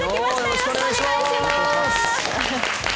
よろしくお願いします！